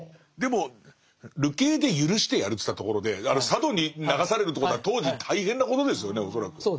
でも流刑で許してやるっていったところで佐渡に流されるってことは当時大変なことですよね恐らく。